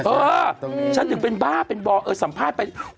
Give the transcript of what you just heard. เออฉันถึงเป็นบ้าเป็นบ่อเออสัมภาษณ์ไป